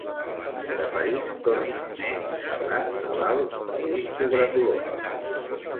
De París torna a Montserrat malalt de limfogranuloma.